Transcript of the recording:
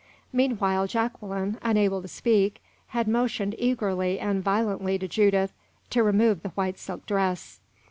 Meanwhile Jacqueline, unable to speak, had motioned eagerly and violently to Judith to remove the white silk dress.